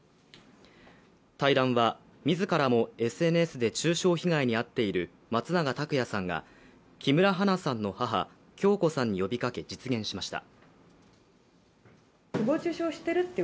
対談は自らもＳＮＳで中傷被害に遭っている松永拓也さんが木村花さんの母・響子さんに呼びかけ、実現しました。